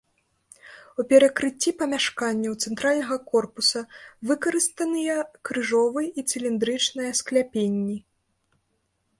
У перакрыцці памяшканняў цэнтральнага корпуса выкарыстаныя крыжовы і цыліндрычныя скляпенні.